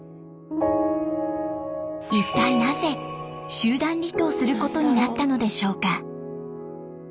一体なぜ集団離島することになったのでしょうか？